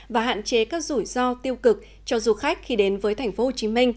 và hạn chế các rủi ro tiêu cực cho du khách khi đến với tp hcm